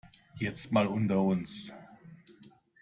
Jetzt mal unter uns.